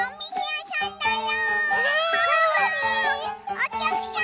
おきゃくさん